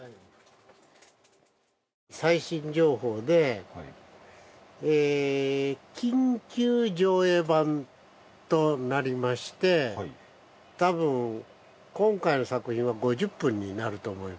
最新情報で緊急上映版となりまして多分今回の作品は５０分になると思います。